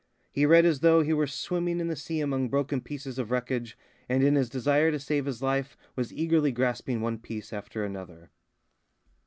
He read as though he were swimming in the sea among broken pieces of wreckage, and in his desire to save his life was eagerly grasping one piece after another.